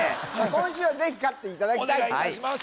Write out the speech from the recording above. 今週はぜひ勝っていただきたいお願いいたします